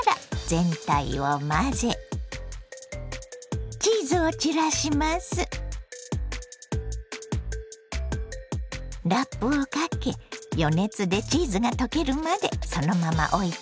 ラップをかけ余熱でチーズが溶けるまでそのまま置いてね。